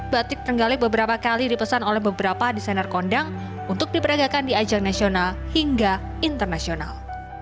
batik trenggalek beberapa kali dipesan oleh beberapa desainer kondang untuk diperagakan di ajang nasional hingga internasional